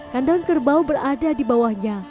kandang kerbau berada di bawahnya